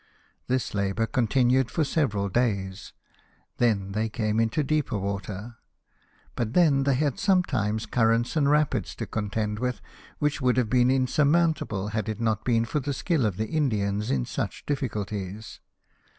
This labour continued for several days, then they came into deeper water ; but then they had sometimes currents and rapids to contend with, which would have been insurmountable, had it not been for the skill of the Indians in such difficulties.